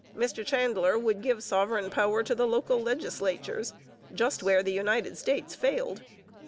Mr Chandler would give sovereign power to the local legislatures, just where the United States failed.